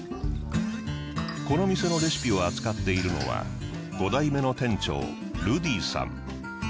この店のレシピを扱っているのは５代目の店長ルディさん。